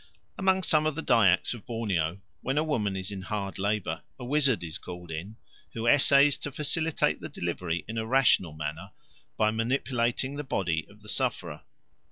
Among some of the Dyaks of Borneo, when a woman is in hard labour, a wizard is called in, who essays to facilitate the delivery in a rational manner by manipulating the body of the sufferer.